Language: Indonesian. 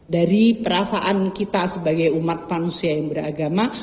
dari perasaan kita sebagai umat manusia yang beragama